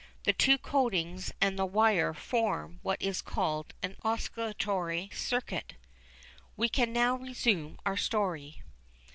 The two coatings and the wire form what is called an oscillatory circuit. We can now resume our story.